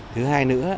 thứ hai nữa